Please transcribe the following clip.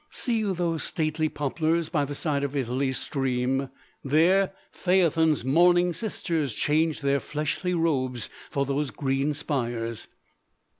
See you those stately poplars by the side of Italy's stream? There Phaëthon's mourning sisters changed their fleshly robes for those green spires.